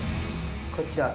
こちら。